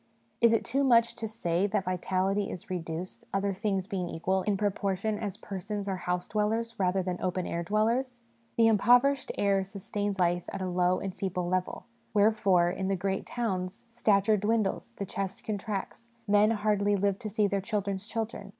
Is it too much to say that vitality is reduced, other things being equal, in proportion as persons are house dwellers rather than open air dwellers? The im poverished air sustains life at a low and feeble level ; wherefore, in the great towns, stature dwindles, the chest contracts, men hardly live to see their children's children.